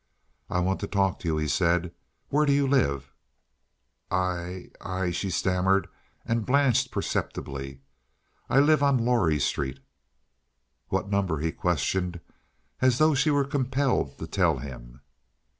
"I want to talk to you," he said. "Where do you live?" "I—I—" she stammered, and blanched perceptibly. "I live out on Lorrie Street." "What number?" he questioned, as though she were compelled to tell him.